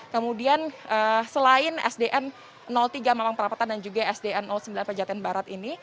kemudian selain sdn tiga mampang perapatan dan juga sdn sembilan pejaten barat ini